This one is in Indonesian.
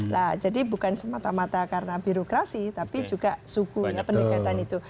nah jadi bukan semata mata karena birokrasi tapi juga suku ya pendekatan itu